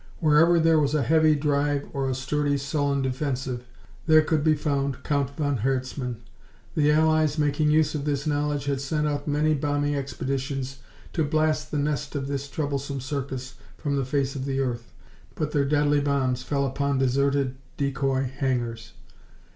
Wherever there was a heavy drive or a sturdy, sullen defensive, there could be found Count von Herzmann. The Allies, making use of this knowledge, had sent out many bombing expeditions to blast the nest of this troublesome Circus from the face of the earth, but their deadly bombs fell upon deserted, decoy hangars.